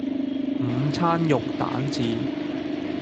午餐肉蛋治